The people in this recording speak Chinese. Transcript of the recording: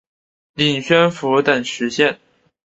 领宣府等十县。